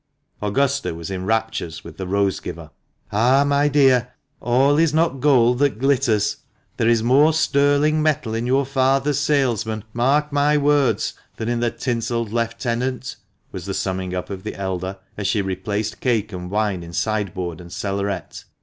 Augusta was in raptures with the rose giver.' " Ah ! my dear, all is not gold that glitters. There is more sterling metal in your father's salesman, mark my words, than in the tinselled lieutenant," was the summing up of the elder, as she replaced cake and wine in sideboard and cellaret.